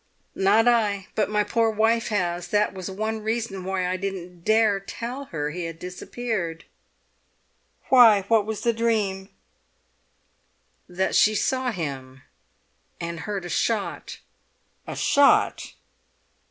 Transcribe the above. "Not I; but my poor wife has; that was one reason why I daren't tell her he had disappeared." "Why? What was the dream?" "That she saw him—and heard a shot." "A shot!"